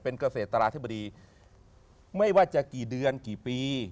เป็นเกษตราธิบดีไม่ว่าจะกี่เดือนกี่ปี